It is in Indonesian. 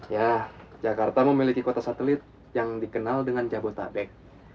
ya jakarta memiliki kota satelit yang dikenal dengan jabodetabek